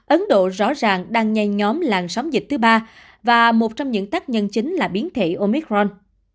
ấn độ rõ ràng đang nhen nhóm làn sóng dịch thứ ba và một trong những tác nhân chính là biến thể omicron